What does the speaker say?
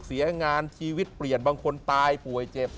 เสียงานชีวิตเปลี่ยนบางคนตายป่วยเจ็บ